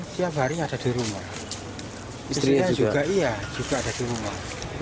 siap hari ada di rumah istrinya juga ada di rumah